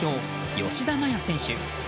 吉田麻也選手。